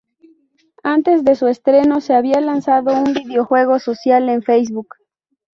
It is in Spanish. Antes de su estreno se había lanzado un videojuego social en Facebook.